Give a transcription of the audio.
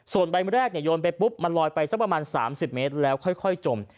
ส่วนใบแรกโยนไปปุ๊บมันลอยไปสักประมาณ๓๐เมตรแล้วค่อยจม